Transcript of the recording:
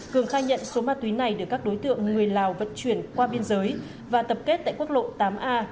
cường khai nhận số ma túy này được các đối tượng người lào vận chuyển qua biên giới và tập kết tại quốc lộ tám a